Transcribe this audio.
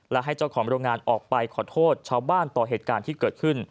และให้เจ้าของโรงงานออกไปขอโทษชาวบ้านต่อเหตุการณ์ที่เกิดขึ้น